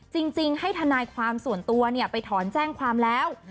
จริงให้ทนายความส่วนตัวไปถอนแจ้งความแล้ว